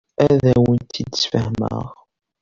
Ad awen-tt-id-sfehmeɣ.